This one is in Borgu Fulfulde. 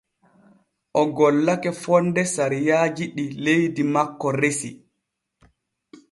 O gollake fonde sariyaaji ɗi leydi makko resi.